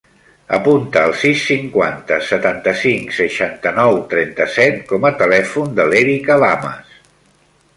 Apunta el sis, cinquanta, setanta-cinc, seixanta-nou, trenta-set com a telèfon de l'Erika Lamas.